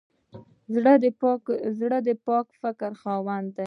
زړه د پاک فکر خاوند دی.